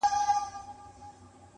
میکده په نامه نسته، هم حرم هم محرم دی.